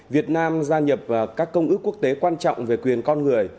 việt nam gia nhập các công ước quốc tế quan trọng về quyền con người